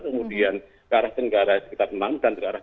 kemudian ke arah tenggara sekitar enam dan ke arah